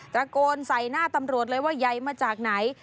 ตะโกนใส่หน้าตำรวจเลยว่ายายมาจากไหน